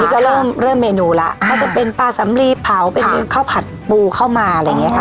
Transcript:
ก็เริ่มเริ่มเมนูแล้วก็จะเป็นปลาสำลีเผาเป็นข้าวผัดปูเข้ามาอะไรอย่างนี้ค่ะ